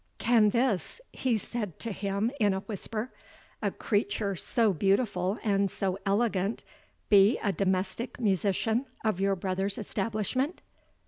"Can this," he said to him in a whisper, "a creature so beautiful and so elegant, be a domestic musician of your brother's establishment?"